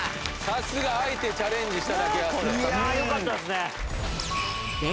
さすがあえてチャレンジしただけあって。